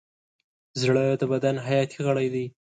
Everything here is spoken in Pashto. زړه د بدن حیاتي غړی دی.